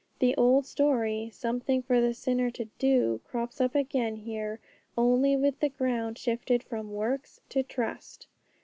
The old story, something for the sinner to do, crops up again here, only with the ground shifted from 'works' to trust.